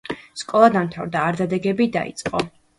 სკოლა დამთავრდა, არდადეგები დაიწყო.